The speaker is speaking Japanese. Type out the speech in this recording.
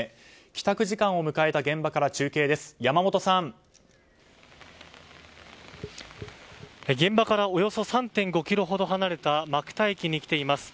帰宅時間を迎えた現場から現場からおよそ３．５ｋｍほど離れた馬来田駅に来ています。